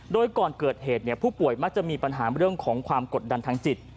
โดยก่อนเกิดเหตุผู้ป่วยมักจะมีปัญหาเรื่องของความกดดันทางจิต